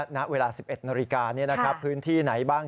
ณเวลา๑๑นาฬิกาพื้นที่ไหนบ้าง